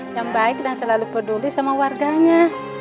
yang baik dan selalu peduli sama warganya